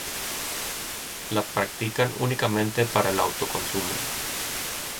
La practican únicamente para el auto consumo.